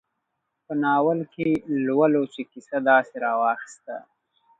په ناول کې لولو چې کیسه داسې راواخیسته.